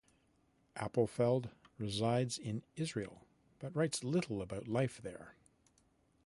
Appelfeld resides in Israel but writes little about life there.